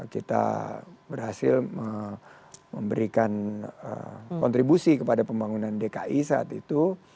kita berhasil memberikan kontribusi kepada pembangunan dki saat itu